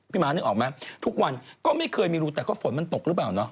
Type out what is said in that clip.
ม้านึกออกไหมทุกวันก็ไม่เคยมีรูแต่ก็ฝนมันตกหรือเปล่าเนาะ